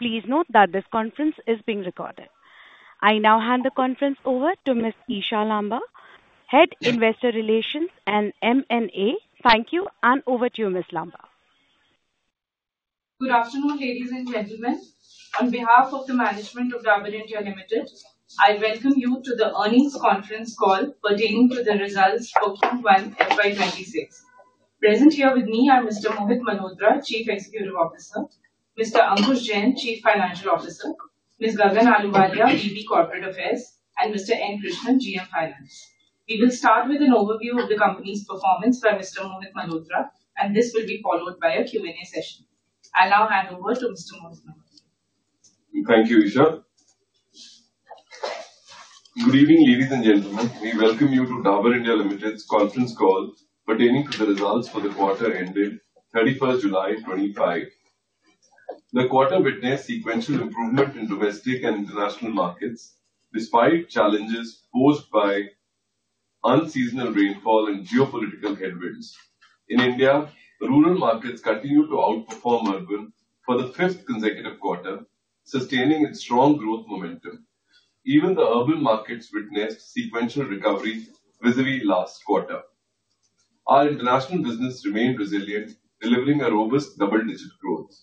Please note that this conference is being recorded. I now hand the conference over to Ms. Isha Lamba, Head, Investor Relations and M&A. Thank you, and over to you, Ms. Lamba. Good afternoon, ladies and gentlemen. On behalf of the management of Dabur India Limited, I welcome you to the Eearnings Conference Call pertaining to the Results for Q1 FY2026 Present here with me are Mr. Mohit Malhotra, Chief Executive Officer, Mr. Ankush Jain, Chief Financial Officer, Ms. Gagan Ahluwalia, VP Corporate Affairs, and Mr. N. Krishnan, GM Finance. We will start with an overview of the coppany's performance by Mr. Mohit Malhotra, and this will be followed by a Q&A session. I now hand over to Mr. Mohit Malhotra. Thank you, Isha. Good evening, ladies and gentlemen. We welcome you to Dabur India Limited's conference call pertaining to the results for the quarter ending 31st July 2025. The quarter witnessed sequential improvement in domestic and international markets despite challenges posed by unseasonal rainfall and geopolitical headwinds. In India, rural markets continued to outperform urban for the fifth consecutive quarter, sustaining its strong growth momentum. Even the urban markets witnessed sequential recovery vis-à-vis last quarter. Our international business remained resilient, delivering a robust double-digit growth.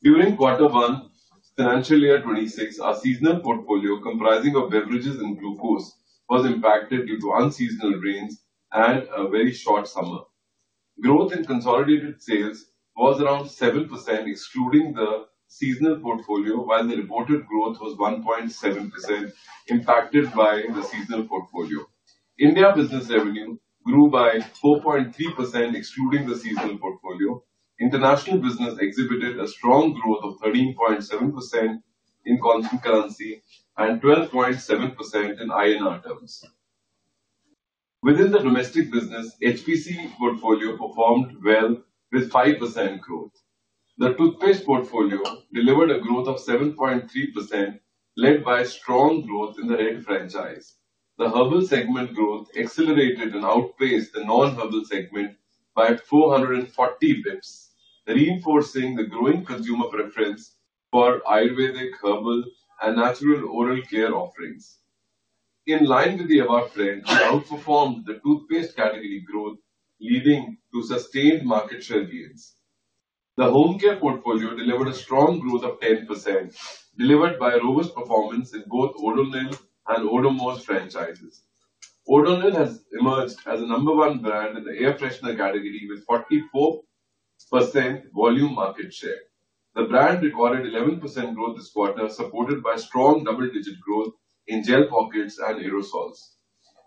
During quarter one of financial year 2026, our seasonal portfolio, comprising beverages and glucose, was impacted due to unseasonal rains and a very short summer. Growth in consolidated sales was around 7%, excluding the seasonal portfolio, while the reported growth was 1.7%, impacted by the seasonal portfolio. India business revenue grew by 4.3%, excluding the seasonal portfolio. International business exhibited a strong growth of 13.7% in consumer currency and 12.7% in INR terms. Within the domestic business, HPC portfolio performed well with 5% growth. The toothpaste portfolio delivered a growth of 7.3%, led by strong growth in the Red franchise. The herbal segment growth accelerated and outpaced the non-herbal segment by 440 bps, reinforcing the growing consumer preference for Ayurvedic, herbal, and natural oral care offerings. In line with the above trend, we outperformed the toothpaste category growth, leading to sustained market share gains. The home care portfolio delivered a strong growth of 10%, delivered by robust performance in both Odonil and Odomos franchises. Odonil has emerged as the number one brand in the air freshener category with 44% volume market share. The brand recorded 11% growth this quarter, supported by strong double-digit growth in gel pockets and aerosols.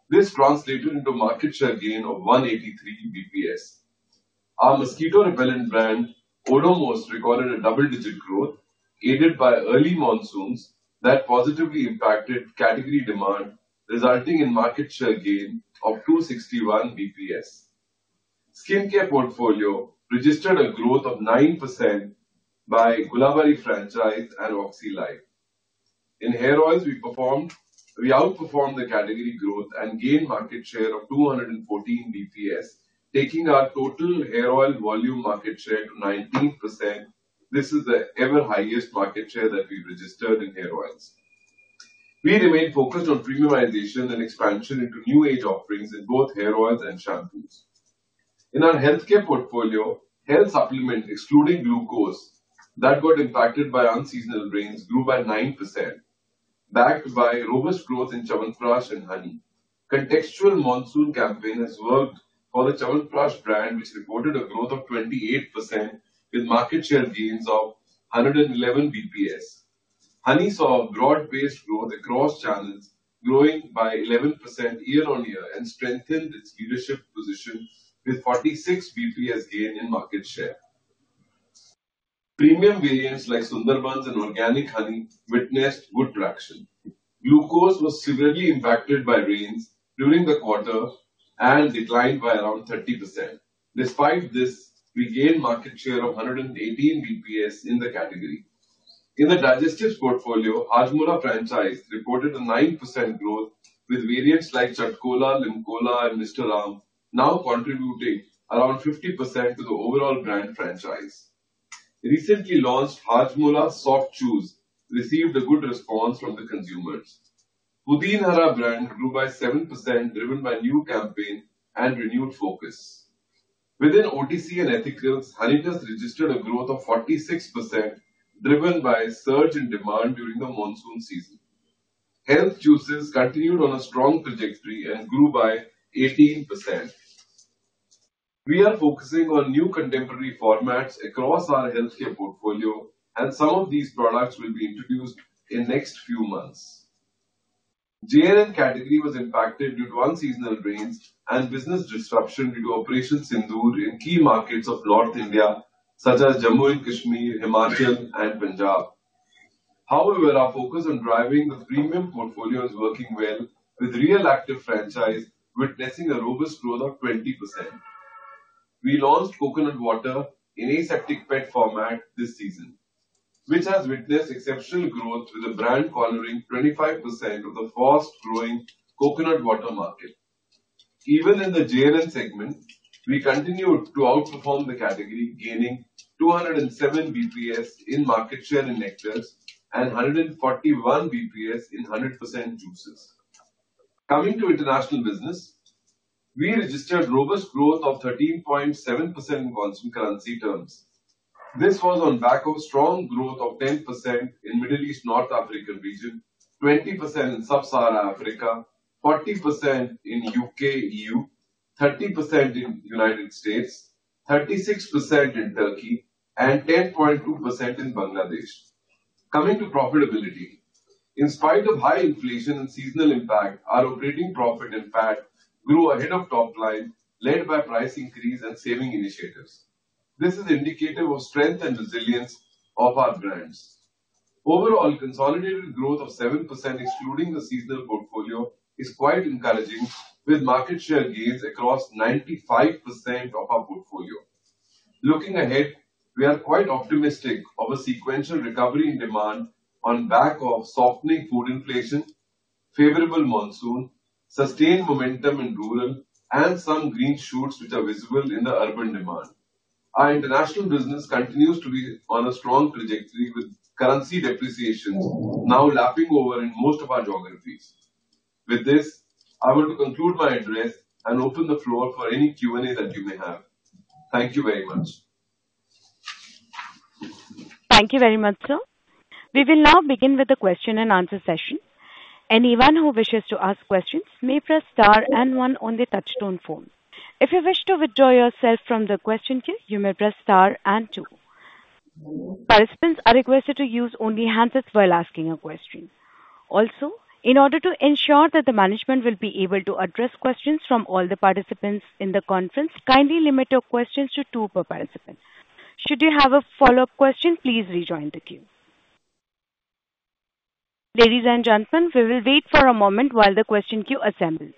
This translated into a market share gain of 183 bps. Our mosquito repellent brand, Odomos, recorded a double-digit growth, aided by early monsoons that positively impacted category demand, resulting in market share gain of 261 bps. Skincare portfolio registered a growth of 9% by Gulabari franchise and Oxylife. In hair oils, we outperformed the category growth and gained market share of 214 bps, taking our total hair oil volume market share to 19%. This is the ever-highest market share that we registered in hair oils. We remained focused on premiumization and expansion into new age offerings in both hair oils and shampoos. In our healthcare portfolio, health supplement, excluding glucose, that got impacted by unseasonal rains grew by 9%. Backed by robust growth in Chyawanprash and honey, the contextual monsoon campaign has worked for the Chyawanprash brand, which reported a growth of 28% with market share gains of 111 bps. Honey saw a broad-based growth across channels, growing by 11% year-on-year and strengthened its leadership position with a 46 bps gain in market share. Premium variants like Sundarbans and organic honey witnessed good traction. Glucose was severely impacted by rains during the quarter and declined by around 30%. Despite this, we gained market share of 118 bps in the category. In the digestive portfolio, Hajmola franchise reported a 9% growth with variants like Chatkola, Limkola, and Mr. Ram, now contributing around 50% to the overall brand franchise. Recently launched Hajmola soft chews received a good response from the consumers. Pudin Hara brand grew by 7%, driven by a new campaign and renewed focus. Within OTC/ethicals, Honitus registered a growth of 46%, driven by a surge in demand during the monsoon season. Health juices continued on a strong trajectory and grew by 18%. We are focusing on new contemporary formats across our healthcare portfolio, and some of these products will be introduced in the next few months. JNN category was impacted due to unseasonal rains and business disruption due to Operation Sindoor in key markets of North India, such as Jammu and Kashmir, Himachal, and Punjab. However, our focus on driving the premium portfolio is working well, with Réal Activ franchise witnessing a robust growth of 20%. We launched coconut water in aseptic PET format this season, which has witnessed exceptional growth, with the brand cornering 25% of the fast-growing coconut water market. Even in the JNN segment, we continued to outperform the category, gaining 207 bps in market share in nectars and 141 bps in 100% juices. Coming to international business, we registered robust growth of 13.7% in consumer currency terms. This was on the back of a strong growth of 10% in the Middle East-North Africa region, 20% in Sub-Saharan Africa, 40% in the U.K./EU, 30% in the U.S., 36% in Turkey, and 10.2% in Bangladesh. Coming to profitability, in spite of high inflation and seasonal impact, our operating profit and PAT grew ahead of the top line, led by price increase and saving initiatives. This is indicative of the strength and resilience of our brands. Overall, the consolidated growth of 7%, excluding the seasonal portfolio, is quite encouraging, with market share gains across 95% of our portfolio. Looking ahead, we are quite optimistic about a sequential recovery in demand on the back of softening food inflation, favorable monsoon, sustained momentum in rural, and some green shoots which are visible in the urban demand. Our international business continues to be on a strong trajectory, with currency depreciation now lapping over in most of our geographies. With this, I will conclude my address and open the floor for any Q&A that you may have. Thank you very much. Thank you very much, sir. We will now begin with the question-and-answer session. Anyone who wishes to ask questions may press star and one on the touchstone phone. If you wish to withdraw yourself from the question queue, you may press star and two. Participants are requested to use only handsets while asking a question. Also, in order to ensure that the management will be able to address questions from all the participants in the conference, kindly limit your questions to two per participant. Should you have a follow-up question, please rejoin the queue. Ladies and gentlemen, we will wait for a moment while the question queue assembles.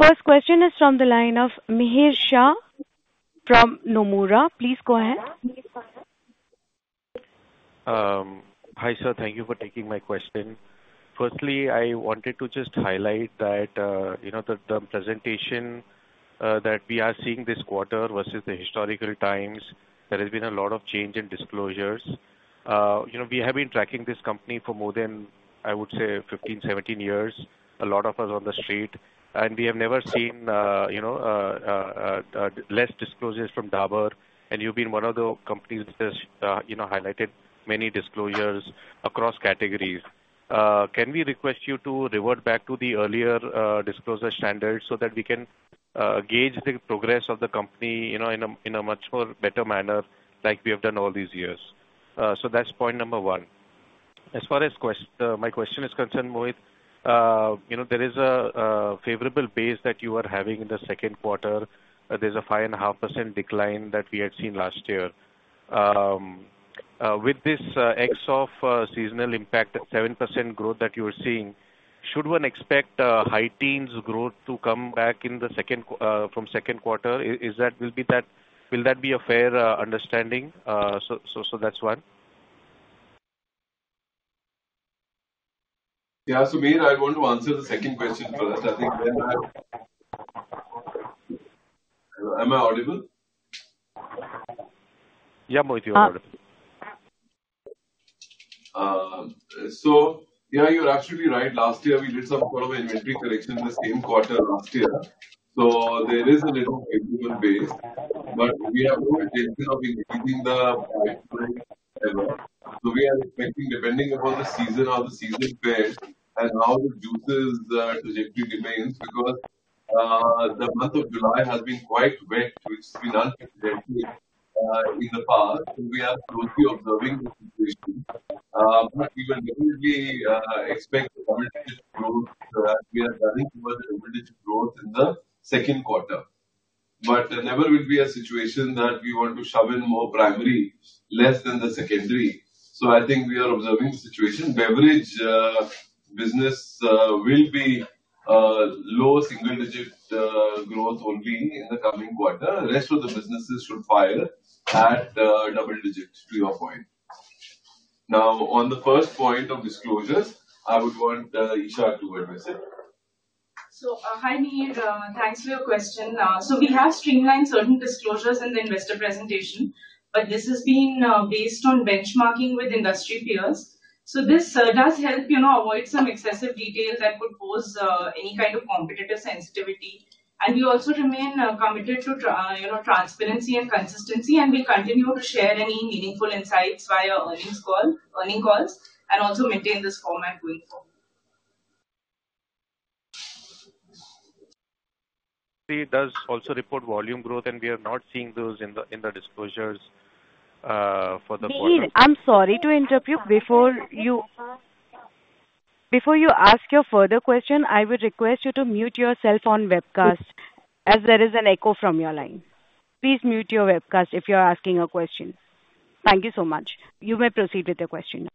The first question is from the line of Mihir Shah from Nomura. Please go ahead. Hi, sir. Thank you for taking my question. Firstly, I wanted to just highlight that the presentation that we are seeing this quarter versus the historical times, there has been a lot of change in disclosures. We have been tracking this company for more than, I would say, 15-17 years, a lot of us on the street, and we have never seen less disclosures from Dabur. You've been one of the companies that has highlighted many disclosures across categories. Can we request you to revert back to the earlier disclosure standards so that we can gauge the progress of the company in a much better manner like we have done all these years? That's point number one. As far as my question is concerned, Mohit, there is a favorable base that you are having in the second quarter. There's a 5.5% decline that we had seen last year. With this ex-off seasonal impact, 7% growth that you are seeing, should one expect high-teens growth to come back from second quarter? Will that be a fair understanding? That's one. Yeah, Mihir, I want to answer the second question first. I think. Am I audible? Yeah, Mohit, you're audible. Yeah, you're absolutely right. Last year, we did some sort of inventory correction in the same quarter last year. There is a little improvement base, but we have no intention of increasing the. We are expecting, depending upon the season or the season pair and how the juices trajectory remains, because the month of July has been quite wet, which has been unprecedented in the past. We are closely observing the situation. We will definitely expect the average growth that we are planning towards the average growth in the second quarter. There never will be a situation that we want to shove in more primary, less than the secondary. I think we are observing the situation. Beverage business will be low single-digit growth only in the coming quarter. The rest of the businesses should fire at double-digits, to your point. Now, on the first point of disclosures, I would want Isha to address it. Hi, Mihir. Thanks for your question. We have streamlined certain disclosures in the investor presentation, but this has been based on benchmarking with industry peers. This does help avoid some excessive detail that could pose any kind of competitive sensitivity. We also remain committed to transparency and consistency, and we'll continue to share any meaningful insights via earnings calls, and also maintain this format going forward. It does also report volume growth, and we are not seeing those in the disclosures for the quarter. Mihir, I'm sorry to interrupt you. Before you ask your further question, I would request you to mute yourself on webcast, as there is an echo from your line. Please mute your webcast if you are asking a question. Thank you so much. You may proceed with your question now.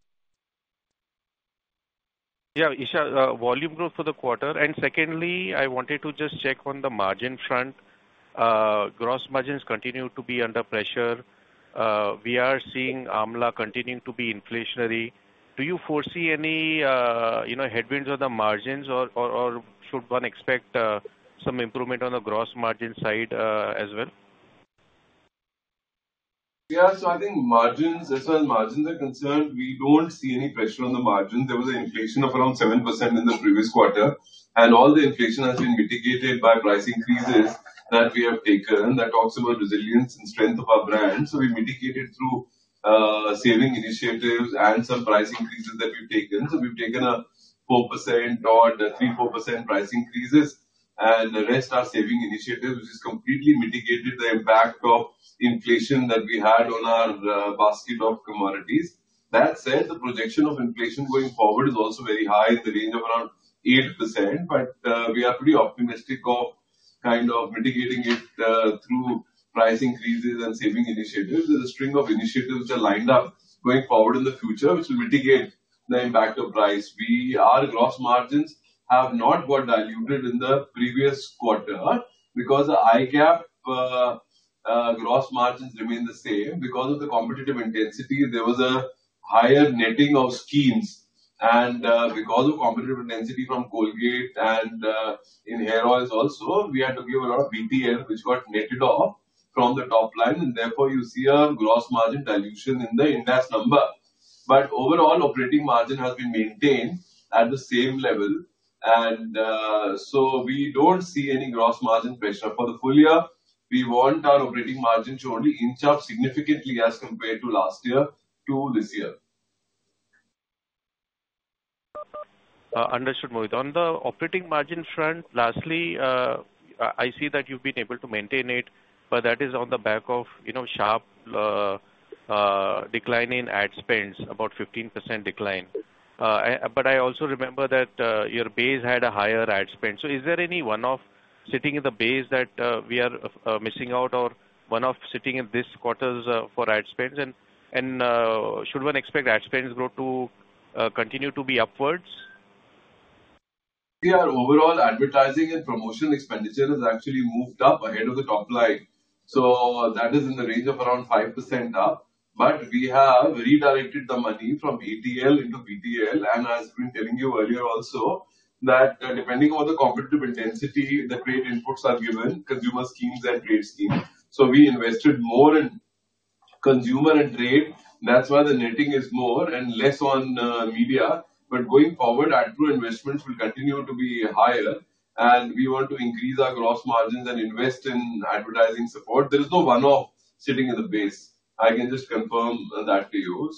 Yeah, Isha, volume growth for the quarter. Secondly, I wanted to just check on the margin front. Gross margins continue to be under pressure. We are seeing Amla continuing to be inflationary. Do you foresee any headwinds on the margins, or should one expect some improvement on the gross margin side as well? Yeah, so I think margins, as far as margins are concerned, we don't see any pressure on the margins. There was an inflation of around 7% in the previous quarter, and all the inflation has been mitigated by price increases that we have taken. That talks about resilience and strength of our brand. We mitigated through saving initiatives and some price increases that we've taken. We've taken a 4% or 3%-4% price increases, and the rest are saving initiatives, which has completely mitigated the impact of inflation that we had on our basket of commodities. That said, the projection of inflation going forward is also very high in the range of around 8%, but we are pretty optimistic of kind of mitigating it through price increases and saving initiatives. There's a string of initiatives that are lined up going forward in the future, which will mitigate the impact of price. Our gross margins have not got diluted in the previous quarter because the ICAP gross margins remain the same. Because of the competitive intensity, there was a higher netting of schemes. Because of competitive intensity from Colgate and in hair oils also, we had to give a lot of BTL, which got netted off from the top line. Therefore, you see a gross margin dilution in that number. Overall, operating margin has been maintained at the same level. We don't see any gross margin pressure. For the full year, we want our operating margin to only inch up significantly as compared to last year to this year. Understood, Mohit. On the operating margin front, lastly, I see that you've been able to maintain it, but that is on the back of sharp decline in ad spends, about 15% decline. I also remember that your base had a higher ad spend. Is there any one-off sitting in the base that we are missing out, or one-off sitting in this quarter for ad spends? Should one expect ad spends to continue to be upwards? Yeah, overall, advertising and promotion expenditure has actually moved up ahead of the top line. That is in the range of around 5% up. We have redirected the money from ATL into BTL. As I've been telling you earlier also, depending on the competitive intensity, the trade inputs are given, consumer schemes and trade schemes. We invested more in consumer and trade, that's why the netting is more and less on media. Going forward, ad-brand investments will continue to be higher, and we want to increase our gross margins and invest in advertising support. There is no one-off sitting in the base. I can just confirm that to you.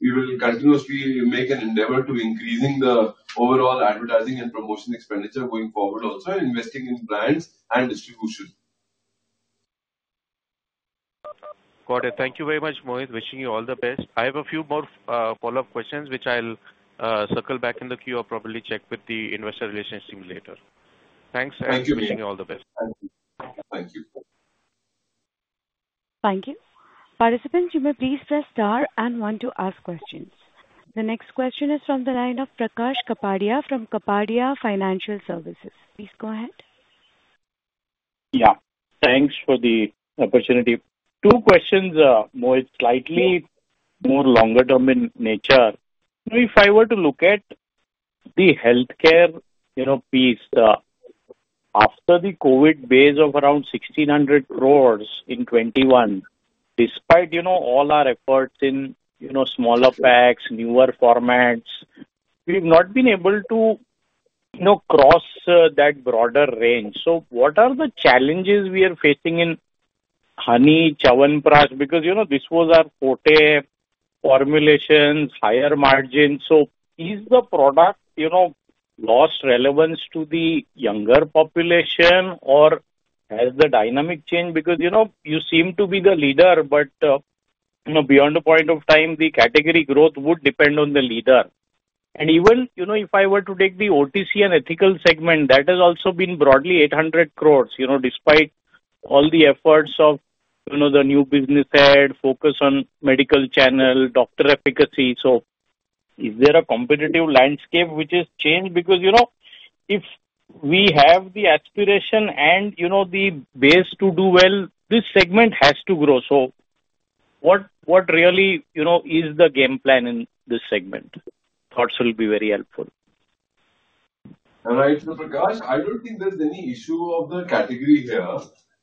We will continuously make an endeavor to increase the overall advertising and promotion expenditure going forward also, and investing in brands and distribution. Got it. Thank you very much, Mohit. Wishing you all the best. I have a few more follow-up questions, which I'll circle back in the queue or probably check with the investor relations team later. Thanks, and wishing you all the best. Thank you. Thank you. Thank you. Participants, you may please press star and one to ask questions. The next question is from the line of Prakash Kapadia from Kapadia Financial Services. Please go ahead. Yeah, thanks for the opportunity. Two questions, Mohit, slightly more longer-term in nature. If I were to look at the healthcare piece after the COVID base of around 1,600 crore in 2021, despite all our efforts in smaller packs, newer formats, we've not been able to cross that broader range. What are the challenges we are facing in Honey, Chyawanprash? Because this was our Forte, formulations, higher margins. Is the product lost relevance to the younger population, or has the dynamic changed? You seem to be the leader, but beyond the point of time, the category growth would depend on the leader. Even if I were to take the OTC/ethicals segment, that has also been broadly 800 crore, despite all the efforts of the new business head, focus on medical channel, doctor efficacy. Is there a competitive landscape which has changed? If we have the aspiration and the base to do well, this segment has to grow. What really is the game plan in this segment? Thoughts will be very helpful. Right, so Prakash, I don't think there's any issue of the category here.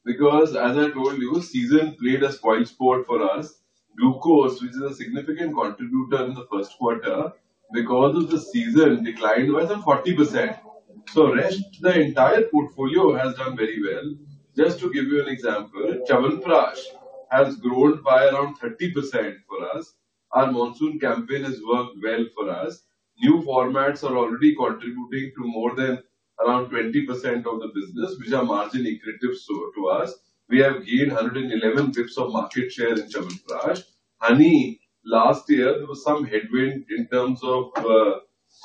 Because as I told you, season played a spoil sport for us. Glucose, which is a significant contributor in the first quarter, because of the season, declined by some 40%. The rest of the entire portfolio has done very well. Just to give you an example, Chyawanprash has grown by around 30% for us. Our monsoon campaign has worked well for us. New formats are already contributing to more than around 20% of the business, which are margin equitative to us. We have gained 111 bps of market share in Chyawanprash. Honey, last year, there was some headwind in terms of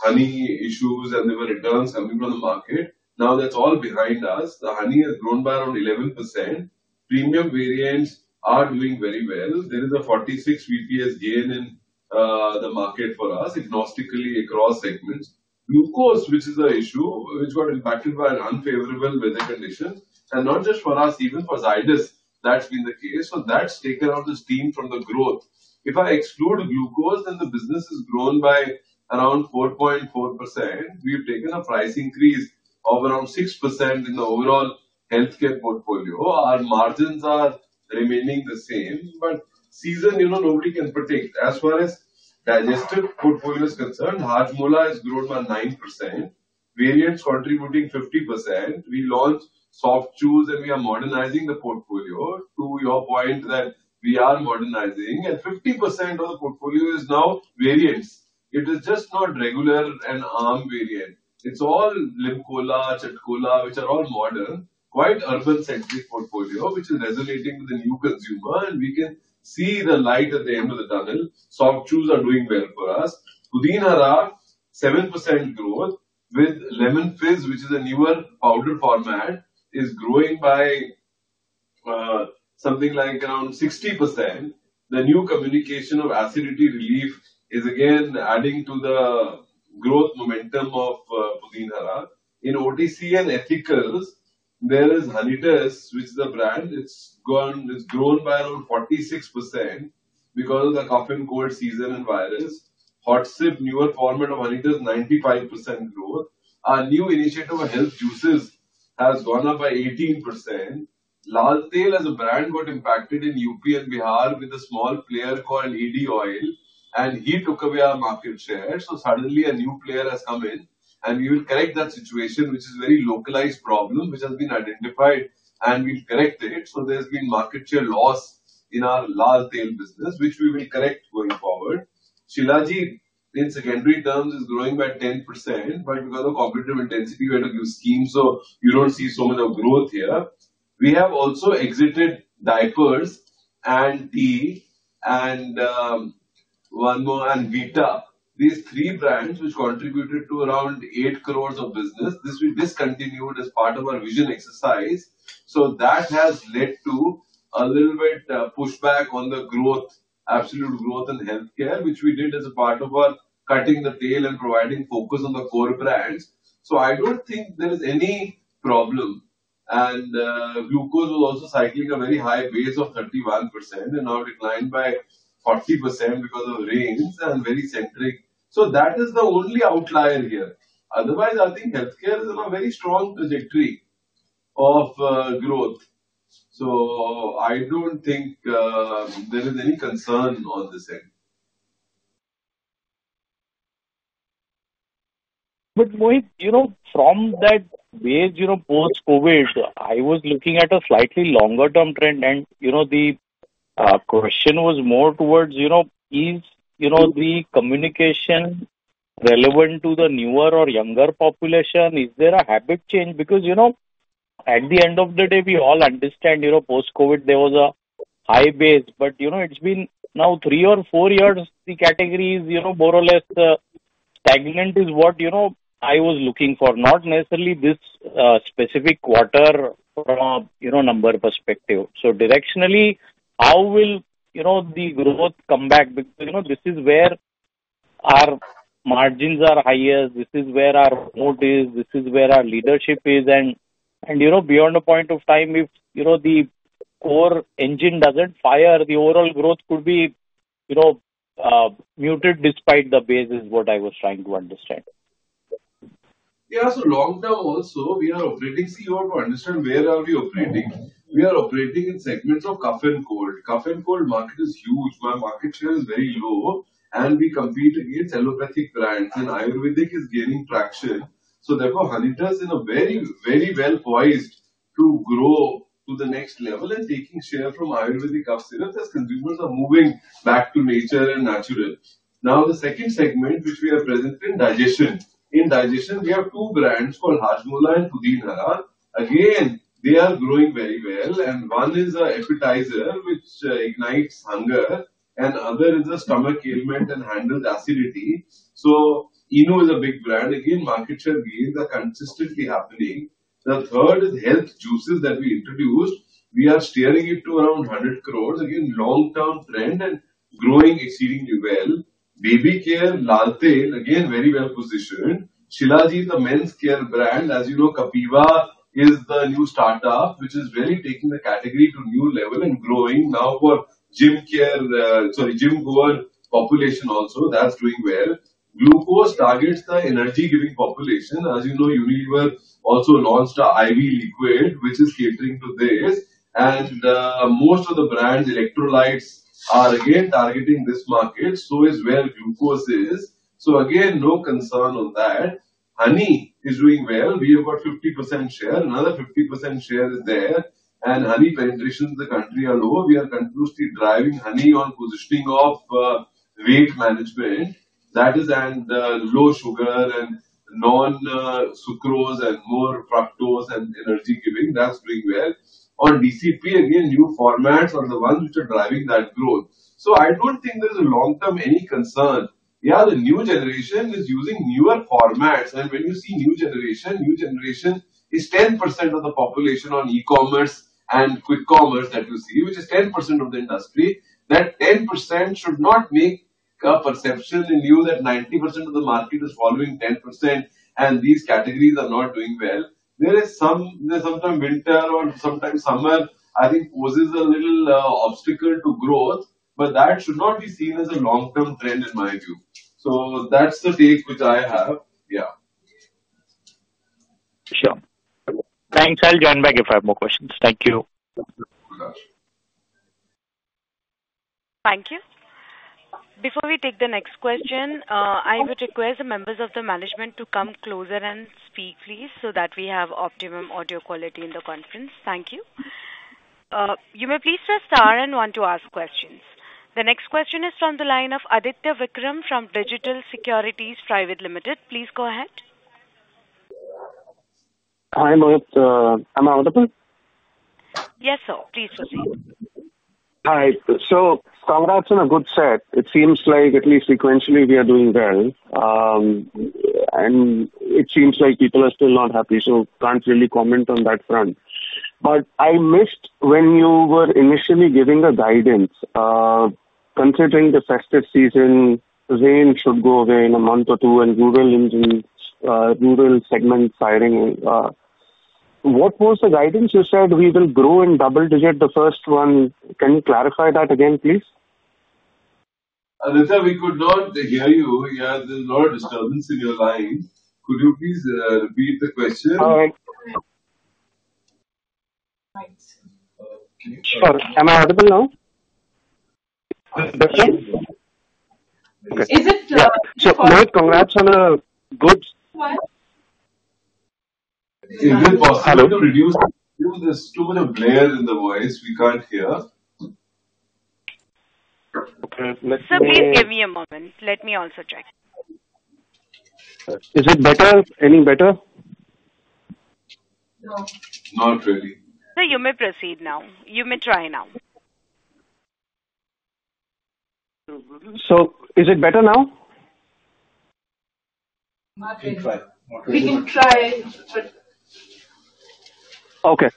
honey issues, and there were returns coming from the market. Now that's all behind us. The honey has grown by around 11%. Premium variants are doing very well. There is a 46 bps gain in the market for us, agnostically across segments. Glucose, which is an issue, which got impacted by unfavorable weather conditions. Not just for us, even for Zydus, that's been the case. That's taken out the steam from the growth. If I exclude glucose, then the business has grown by around 4.4%. We've taken a price increase of around 6% in the overall healthcare portfolio. Our margins are remaining the same, but season, nobody can predict. As far as digestive portfolio is concerned, Hajmola has grown by 9%. Variants contributing 50%. We launched soft chews, and we are modernizing the portfolio. To your point that we are modernizing, and 50% of the portfolio is now variants. It is just not regular and AM variant. It's all Limcola, Chatcola, which are all modern, quite urban-centric portfolio, which is resonating with the new consumer. We can see the light at the end of the tunnel. Soft chews are doing well for us. Pudin Hara, 7% growth, with Lemon Fizz, which is a newer powder format, is growing by something like around 60%. The new communication of acidity relief is again adding to the growth momentum of Pudin Hara. In OTC and ethicals, there is Honitus, which is a brand. It's grown by around 46% because of the cough and cold season and virus. Hot Sip, newer format of Honitus, 95% growth. Our new initiative of health juices has gone up by 18%. Lal Tail as a brand got impacted in UP and Bihar with a small player called ED Oil, and he took away our market share. Suddenly, a new player has come in, and we will correct that situation, which is a very localized problem, which has been identified, and we've corrected it. There has been market share loss in our Lal Tail business, which we will correct going forward. Shilajit, in secondary terms, is growing by 10%, but because of competitive intensity, we had to give schemes, so you don't see so much of growth here. We have also exited Diapers and Tea and One More and Vita. These three brands, which contributed to around 8 crore of business, we discontinued as part of our vision exercise. That has led to a little bit of pushback on the absolute growth in healthcare, which we did as a part of our cutting the tail and providing focus on the core brands. I don't think there is any problem. Glucose was also cycling a very high base of 31% and now declined by 40% because of rains and very centric. That is the only outlier here. Otherwise, I think healthcare is on a very strong trajectory of growth. I don't think there is any concern on this end. Mohit, from that base, post-COVID, I was looking at a slightly longer-term trend. The question was more towards, is the communication relevant to the newer or younger population? Is there a habit change? At the end of the day, we all understand post-COVID, there was a high base. It's been now three or four years, the category is more or less stagnant. I was looking for that, not necessarily this specific quarter from a number perspective. Directionally, how will the growth come back? This is where our margins are highest. This is where our moat is. This is where our leadership is. Beyond the point of time, if the core engine doesn't fire, the overall growth could be muted despite the base, is what I was trying to understand. Yeah, so long-term also, we are operating. See, you have to understand where are we operating. We are operating in segments of cough and cold. Cough and cold market is huge. Our market share is very low, and we compete against allopathic brands. Ayurvedic is gaining traction. Therefore, Honitus is very, very well poised to grow to the next level and taking share from Ayurvedic upside because consumers are moving back to nature and natural. Now, the second segment, which we are present in, is digestion. In digestion, we have two brands called Hajmola and Pudin Hara. Again, they are growing very well. One is an appetizer, which ignites hunger, and the other is a stomach ailment and handles acidity. ENO is a big brand. Again, market share gains are consistently happening. The third is health juices that we introduced. We are steering it to around 1 billion. Again, long-term trend and growing exceedingly well. Baby care, Lal Tail, again, very well positioned. Shilajit, the men's care brand, as you know, Kapiva is the new startup, which is really taking the category to a new level and growing now for gym care, sorry, gym goer population also. That's doing well. Glucose targets the energy-giving population. As you know, Unilever also launched an IV liquid, which is catering to this, and most of the brands, electrolytes, are again targeting this market. That is where Glucose is. Again, no concern on that. Honey is doing well. We have got 50% share. Another 50% share is there, and honey penetrations in the country are low. We are continuously driving honey on positioning of weight management, that is, and low sugar and non-sucrose and more fructose and energy-giving. That's doing well. DCP, again, new formats are the ones which are driving that growth. I don't think there is a long-term any concern. The new generation is using newer formats. When you see new generation, new generation is 10% of the population on e-commerce and quick commerce that you see, which is 10% of the industry. That 10% should not make a perception in you that 90% of the market is following 10% and these categories are not doing well. There is some winter or sometimes summer, I think, poses a little obstacle to growth, but that should not be seen as a long-term trend in my view. That's the take which I have. Yeah. Sure. Thanks. I'll join back if I have more questions. Thank you. Thank you. Before we take the next question, I would request the members of the management to come closer and speak, please, so that we have optimum audio quality in the conference. Thank you. You may please press Star and want to ask questions. The next question is from the line of Aditya Vikram from Digital Securities Private Limited. Please go ahead. Hi, Mohit. Am I audible? Yes, sir. Please proceed. Hi. Star is in a good set. It seems like, at least sequentially, we are doing well. It seems like people are still not happy, so can't really comment on that front. I missed when you were initially giving a guidance. Considering the festive season, rain should go away in a month or two, and rural segments firing. What was the guidance? You said we will grow in double-digit. The first one, can you clarify that again, please? Aditya, we could not hear you. There's a lot of disturbance in your line. Could you please repeat the question? Sorry. Am I audible now? Is it? Mohit, congrats on a good. Hello? There's too much glare in the voice. We can't hear. Please give me a moment. Let me also check. Is it better? Any better? No, not really. You may proceed now. You may try now. Is it better now? We can try. Okay.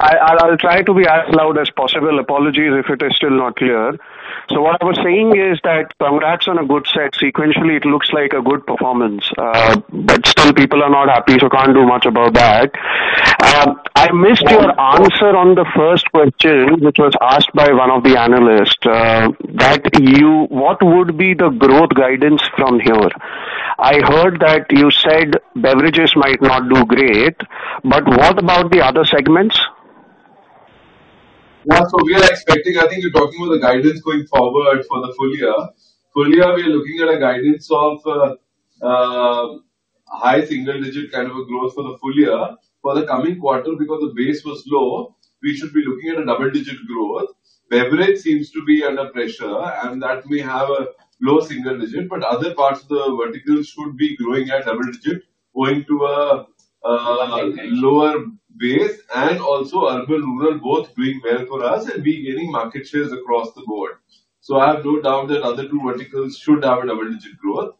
I'll try to be as loud as possible. Apologies if it is still not clear. What I was saying is that congrats on a good set. Sequentially, it looks like a good performance. Still, people are not happy, so can't do much about that. I missed your answer on the first question, which was asked by one of the analysts. What would be the growth guidance from here? I heard that you said beverages might not do great, but what about the other segments? Yeah. We are expecting, I think you're talking about the guidance going forward for the full year. Full year, we are looking at a guidance of high single-digit kind of a growth for the full year. For the coming quarter, because the base was low, we should be looking at a double-digit growth. Beverage seems to be under pressure, and that may have a low single digit. Other parts of the verticals should be growing at double-digit, going to a lower base, and also urban-rural both doing well for us and be gaining market shares across the board. I have no doubt that other two verticals should have a double-digit growth.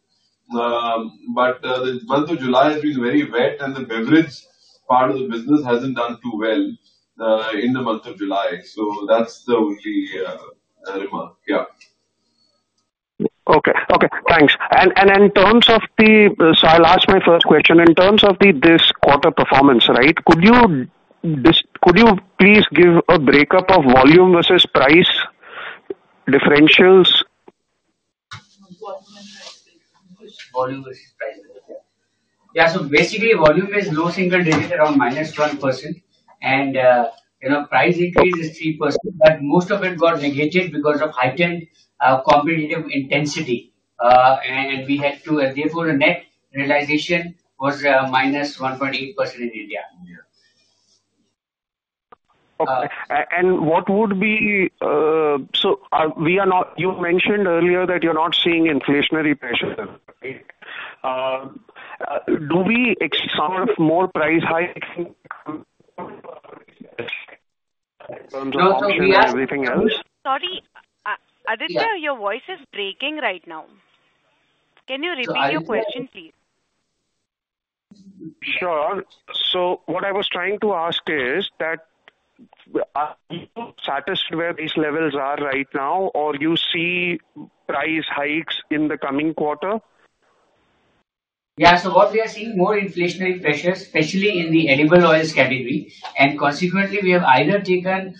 The month of July has been very wet, and the beverage part of the business hasn't done too well in the month of July. That's the only remark. Yeah. Okay. Thanks. In terms of this quarter performance, could you please give a breakup of volume versus price differentials? Yeah. Basically, volume is low single digit, around -1%. Price increase is 3%, but most of it got negated because of heightened competitive intensity. Therefore, the net realization was -11.8% in India. Okay. What would be—so you mentioned earlier that you're not seeing inflationary pressure. Do we suffer more price hike in terms of volume and everything else? Sorry, Aditya, your voice is breaking right now. Can you repeat your question, please? What I was trying to ask is that, are you satisfied where these levels are right now, or do you see price hikes in the coming quarter? Yeah. What we are seeing is more inflationary pressure, especially in the edible oils category. Consequently, we have either taken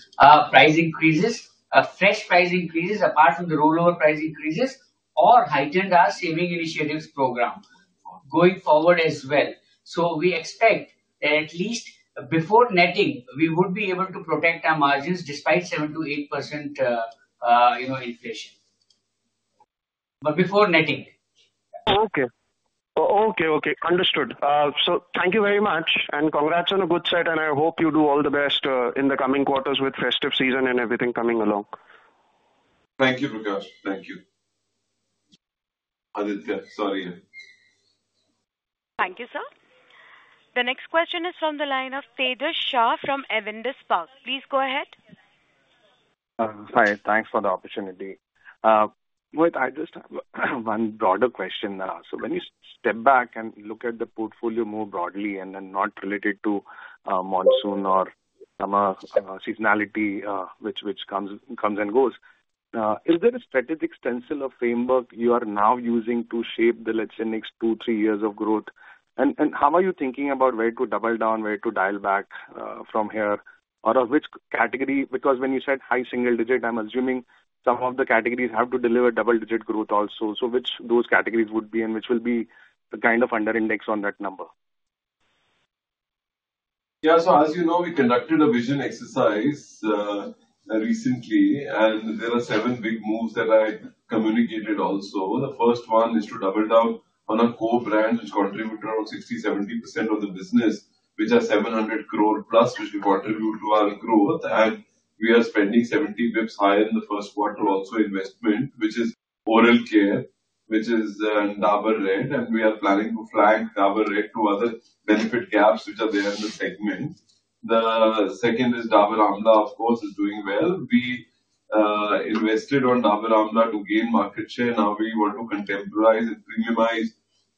price increases, fresh price increases apart from the rollover price increases, or heightened our saving initiatives program going forward as well. We expect that at least before netting, we would be able to protect our margins despite 7-8% inflation before netting. Okay. Okay. Okay. Understood. Thank you very much. Congrats on a good set. I hope you do all the best in the coming quarters with festive season and everything coming along. Thank you, Prakash. Thank you, Aditya. Sorry. Thank you, sir. The next question is from the line of Tejas Shah from Evindus Spark. Please go ahead. Hi. Thanks for the opportunity. Mohit, I just have one broader question. When you step back and look at the portfolio more broadly and then not related to monsoon or summer seasonality, which comes and goes, is there a strategic stencil or framework you are now using to shape the next two, three years of growth? How are you thinking about where to double down, where to dial back from here, or which category? When you said high single digit, I'm assuming some of the categories have to deliver double-digit growth also. Which those categories would be and which will be the kind of under-index on that number? Yeah. As you know, we conducted a vision exercise recently, and there are seven big moves that I communicated also. The first one is to double down on our core brands, which contribute around 60%-70% of the business, which are 700 crore plus, which will contribute to our growth. We are spending 70 bps higher in the first quarter also investment, which is oral care, which is Dabur Red. We are planning to flag Dabur Red to other benefit gaps which are there in the segment. The second is Dabur Amla, of course, is doing well. We invested on Dabur Amla to gain market share. Now we want to contemporize and premiumize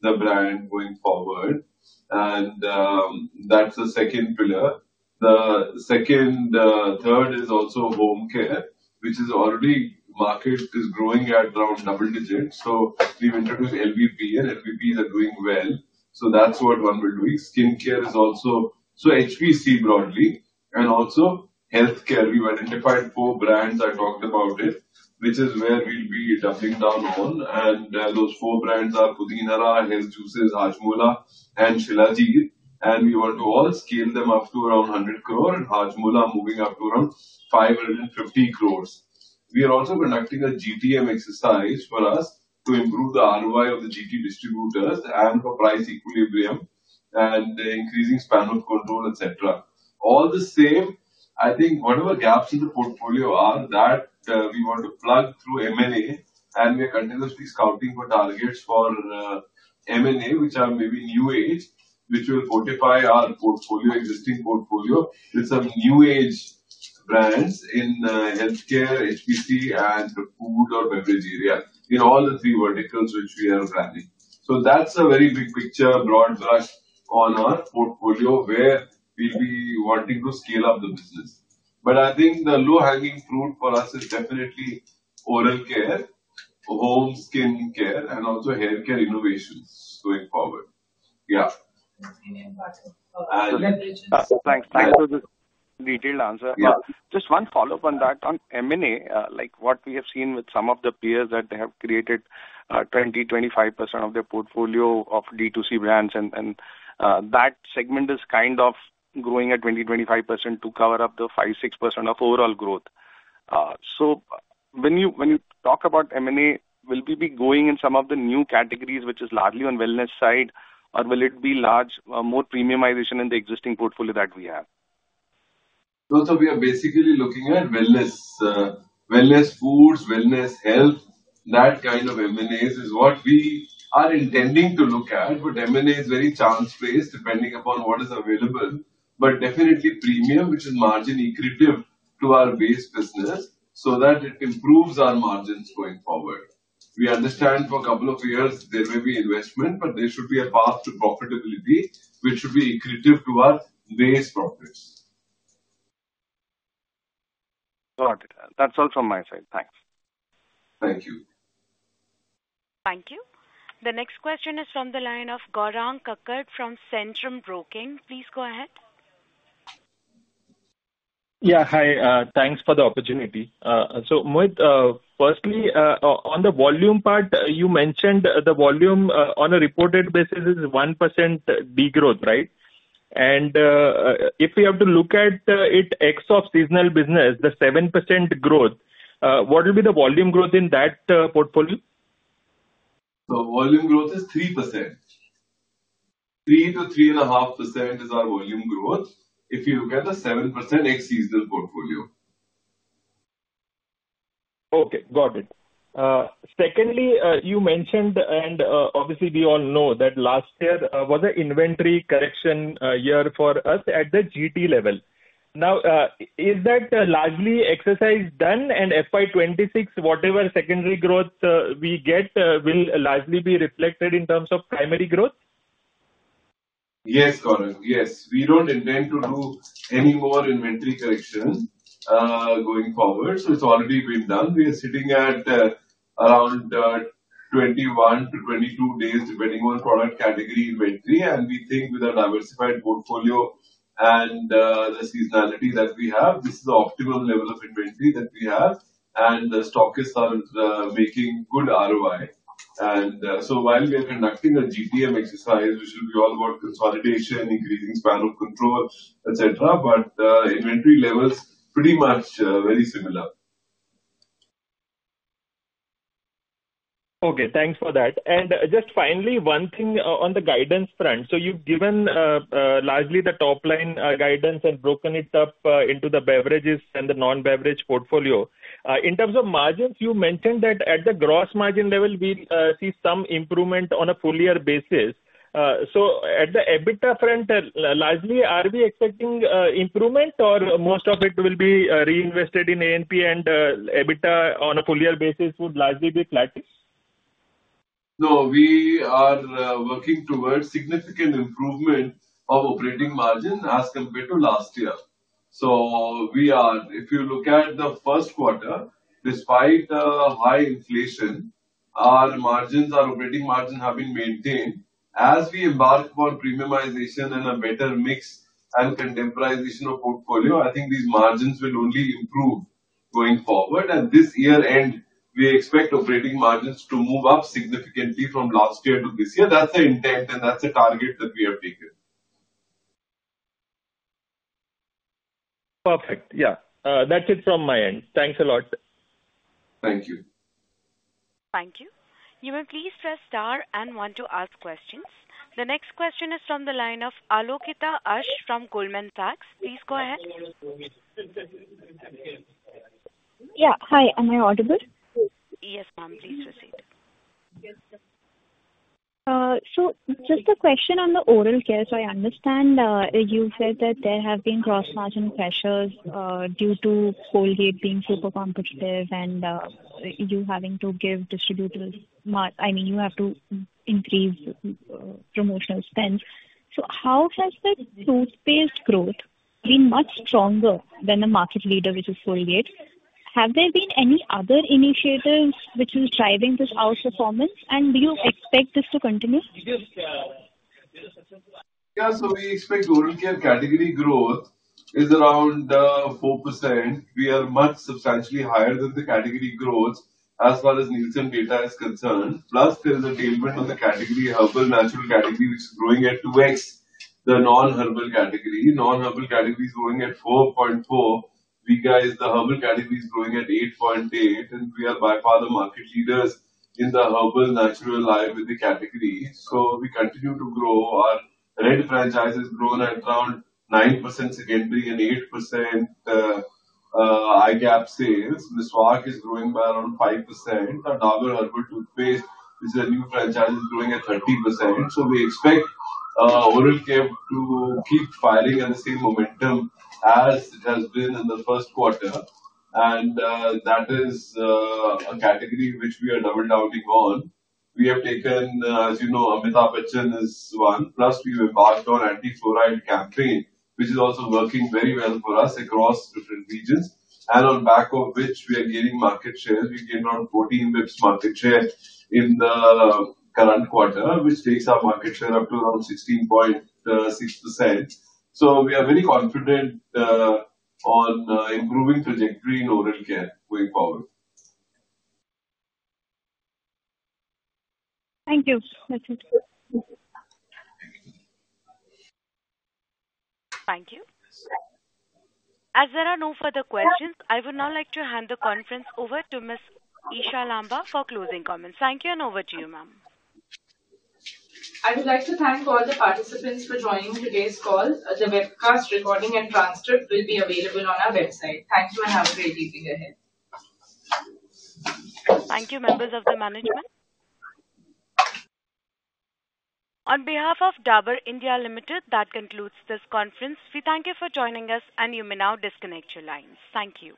the brand going forward. That's the second pillar. Third is also home care, which is already market is growing at around double-digit. We have introduced LBP, and LBPs are doing well. That's what one will do. Skincare is also, so HVC broadly, and also healthcare. We have identified four brands I talked about, which is where we'll be doubling down on. Those four brands are Pudin Hara, Health Juices, Hajmola, and Shilajit. We want to all scale them up to around 100 crore and Hajmola moving up to around 550 crore. We are also conducting a GTM exercise for us to improve the ROI of the GT distributors and the price equilibrium and increasing span of control, etc. All the same, I think whatever gaps in the portfolio are that we want to plug through M&A, and we are continuously scouting for targets for M&A, which are maybe new age, which will fortify our existing portfolio with some new age brands in healthcare, HVC, and the food or beverage area in all the three verticals which we are planning. That's a very big picture, broad brush on our portfolio where we'll be wanting to scale up the business. I think the low-hanging fruit for us is definitely oral care, home skin care, and also hair care innovations going forward. Yeah. Thanks. Thanks for the detailed answer. Just one follow-up on that. On M&A, what we have seen with some of the peers is that they have created 20%-25% of their portfolio of D2C brands, and that segment is kind of growing at 20%-25% to cover up the 5%-6% of overall growth. When you talk about M&A, will we be going in some of the new categories, which is largely on the wellness side, or will it be more premiumization in the existing portfolio that we have? No, we are basically looking at wellness. Wellness foods, wellness health, that kind of M&As is what we are intending to look at. M&A is very chance-based depending upon what is available. Definitely premium, which is margin equitative to our base business so that it improves our margins going forward. We understand for a couple of years there may be investment, but there should be a path to profitability which should be equitative to our base profits. Got it. That's all from my side. Thanks. Thank you. Thank you. The next question is from the line of Gaurang Kakkar from Centrum Broking. Please go ahead. Yeah. Hi. Thanks for the opportunity. Mohit, firstly, on the volume part, you mentioned the volume on a reported basis is 1% degrowth, right? If we have to look at it X of seasonal business, the 7% growth, what will be the volume growth in that portfolio? Volume growth is 3%. 3%-3.5% is our volume growth if you look at the 7% ex-seasonal portfolio. Okay. Got it. Secondly, you mentioned, and obviously we all know that last year was an inventory correction year for us at the GT level. Now, is that largely exercise done? FY2026, whatever secondary growth we get will largely be reflected in terms of primary growth? Yes, Gaurang. We don't intend to do any more inventory correction going forward. It's already been done. We are sitting at around 21-22 days depending on product category inventory, and we think with our diversified portfolio and the seasonality that we have, this is the optimal level of inventory that we have. The stockists are making good ROI. While we are conducting a GTM exercise, which will be all about consolidation, increasing span of control, etc., inventory levels are pretty much very similar. Okay. Thanks for that. Just finally, one thing on the guidance front. You've given largely the top-line guidance and broken it up into the beverages and the non-beverage portfolio. In terms of margins, you mentioned that at the gross margin level, we see some improvement on a full-year basis. At the EBITDA front, largely, are we expecting improvement, or most of it will be reinvested in A&P and EBITDA on a full-year basis would largely be flat? No. We are working towards significant improvement of operating margin as compared to last year. If you look at the first quarter, despite the high inflation, our operating margins have been maintained. As we embark upon premiumization and a better mix and contemporization of portfolio, I think these margins will only improve going forward. At this year's end, we expect operating margins to move up significantly from last year to this year. That's the intent, and that's the target that we have taken. Perfect. Yeah, that's it from my end. Thanks a lot. Thank you. Thank you. You may please press star and one to ask questions. The next question is from the line of Alokitha Ash from Goldman Sachs. Please go ahead. Hi. Am I audible? Yes, ma'am. Please proceed. I have a question on the oral care. I understand you said that there have been gross margin pressures due to Colgate being super competitive and you having to give distributors—I mean, you have to increase promotional spend. How has the toothpaste growth been much stronger than the market leader, which is Colgate? Have there been any other initiatives which are driving this outperformance? Do you expect this to continue? Yeah. We expect oral care category growth is around 4%. We are much substantially higher than the category growth as far as nutrient data is concerned. Plus, there is a tailwind on the herbal, natural category, which is growing at 2 x the non-herbal category. Non-herbal category is growing at 4.4%. The herbal category is growing at 8.8%. We are by far the market leaders in the herbal, natural line within the category. We continue to grow. Our Red franchise has grown at around 9% secondary and 8% eye gap sales. Miswak is growing by around 5%. Our Dabur herbal toothpaste, which is a new franchise, is growing at 30%. We expect oral care to keep firing at the same momentum as it has been in the first quarter. That is a category which we are double-doubting on. We have taken, as you know, Amitabh Bachchan as one. Plus, we embarked on an anti-fluoride campaign, which is also working very well for us across different regions. On the back of which, we are gaining market share. We gained around 14 bps market share in the current quarter, which takes our market share up to around 16.6%. We are very confident on improving trajectory in oral care going forward. Thank you. Thank you. As there are no further questions, I would now like to hand the conference over to Ms. Isha Lamba for closing comments. Thank you, and over to you, ma'am. I would like to thank all the participants for joining today's call. The webcast recording and transcript will be available on our website. Thank you, and have a great evening ahead. Thank you, members of the management. On behalf of Dabur India Limited, that concludes this conference. We thank you for joining us, and you may now disconnect your lines. Thank you.